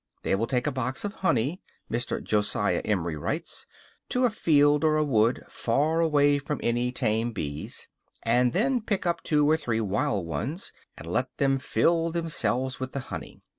"They will take a box of honey," Mr. Josiah Emery writes, "to a field or a wood far away from any tame bees, and then pick up two or three wild ones, and let them fill themselves with the honey.